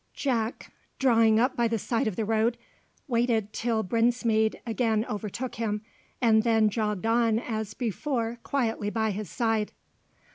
Jack, drawing up by the side of the road, waited till Brinsmead again overtook him, and then jogged on as before quietly by his side.